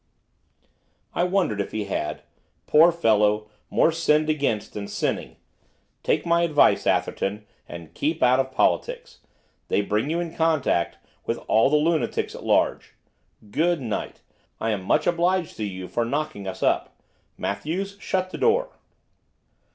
'I wondered if he had. Poor fellow! more sinned against than sinning! Take my advice, Atherton, and keep out of politics. They bring you into contact with all the lunatics at large. Good night! I am much obliged to you for knocking us up. Matthews, shut the door.